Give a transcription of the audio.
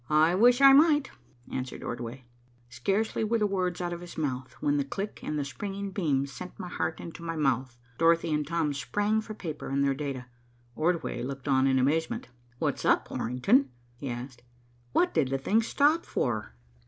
"I wish I might," answered Ordway. Scarcely were the words out of his mouth, when the click and the springing beam sent my heart into my mouth. Dorothy and Tom sprang for paper and their data. Ordway looked on in amazement. "What's up, Orrington?" he asked. "What did the thing stop for?"